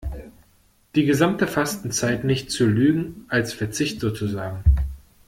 Die gesamte Fastenzeit nicht zu Lügen, als Verzicht sozusagen.